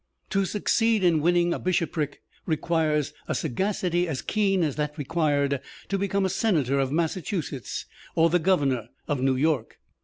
To succeed in winning a bishopric requires a sagacity as keen as that required to become a Senator of Massachusetts or the Governor of New York.